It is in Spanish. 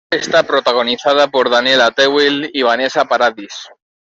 Está protagonizada por Daniel Auteuil y Vanessa Paradis.